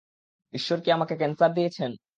ঈশ্বর কি আমাকে ক্যান্সার দিয়েছেন?